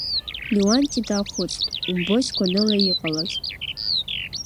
Леуанти даахәыцт-Умбои, сгәаныла, иҟалаз!